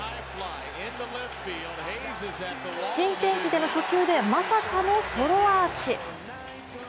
新天地での初球でまさかのソロアーチ。